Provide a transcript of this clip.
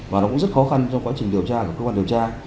và nó cũng rất khó khăn trong quá trình điều tra của cơ quan điều tra